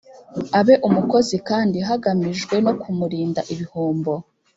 abe umukozi kandi hagamijwe no kumurinda ibihombo